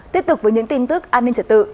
tiếp tục với những tin tức an ninh trật tự